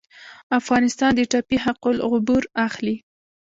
افغانستان د ټاپي حق العبور اخلي